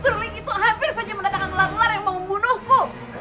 kering itu hampir saja mendatangkan gelar ular yang mau membunuhku